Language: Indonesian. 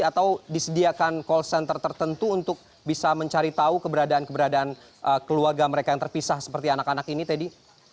atau disediakan call center tertentu untuk bisa mencari tahu keberadaan keberadaan keluarga mereka yang terpisah seperti anak anak ini teddy